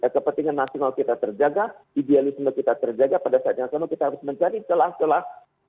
kepentingan nasional kita terjaga idealisme kita terjaga pada saat yang sama kita harus mencari celah celah